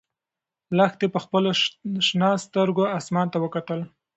لښتې په خپلو شنه سترګو اسمان ته وکتل.